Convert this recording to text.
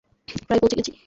প্রায় পৌছে গেছি।